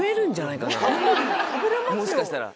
もしかしたら。